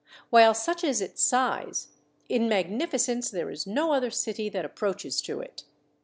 While such is its size, in magnifi cence there is no other city that approaches to it.